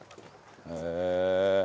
へえ。